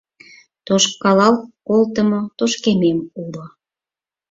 Тошкалал колтымо тошкемем уло